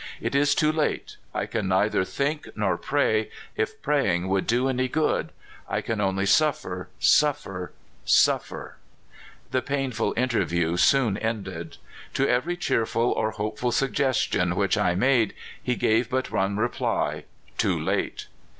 It is too late. I can neither think nor pray, if pray ing would do any good. I can only suffer, suffer, suffer!" The painful interview soon ended. To every cheerful or hopeful suggestion which I made he gave but one reply: " Too late